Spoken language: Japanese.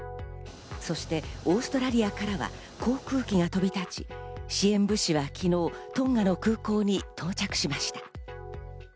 そしてオーストラリアからは航空機が飛び立ち、支援物資は昨日トンガの空港に到着しました。